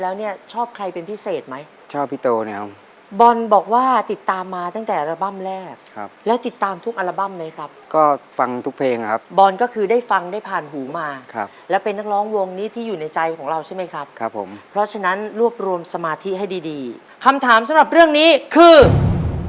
ฟูวงซีรีส์ฟูวงซีรีส์ฟูวงซีรีส์ฟูวงซีรีส์ฟูวงซีรีส์ฟูวงซีรีส์ฟูวงซีรีส์ฟูวงซีรีส์ฟูวงซีรีส์ฟูวงซีรีส์ฟูวงซีรีส์ฟูวงซีรีส์ฟูวงซีรีส์ฟูวงซีรีส์ฟูวงซีรีส์ฟูวงซีรีส์ฟูวงซีรีส์ฟูวงซีรีส์ฟูว